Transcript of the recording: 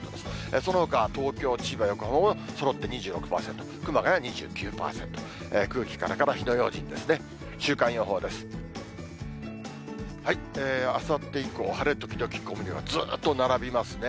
そのほか東京、千葉、横浜もそろって２６％、熊谷２９％、空気からから、火の用心ですね。